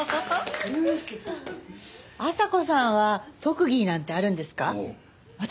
阿佐子さんは特技なんてあるんですか？